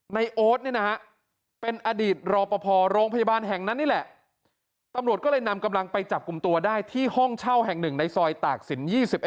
โอ๊ตเนี่ยนะฮะเป็นอดีตรอปภโรงพยาบาลแห่งนั้นนี่แหละตำรวจก็เลยนำกำลังไปจับกลุ่มตัวได้ที่ห้องเช่าแห่งหนึ่งในซอยตากศิลป๒๑